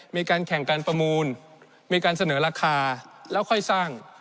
มีการแข่งการประมูลมีการเสนอราคาแล้วค่อยสร้าง